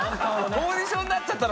オーディションになっちゃったの？